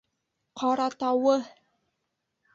Ҡаратауы!